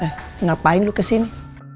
eh ngapain lu kesini